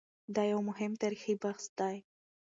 دا یو مهم تاریخي بحث دی.